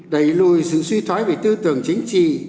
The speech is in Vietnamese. đẩy lùi sự suy thoái về tư tưởng chính trị